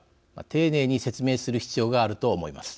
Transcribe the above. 丁寧に説明する必要があると思います。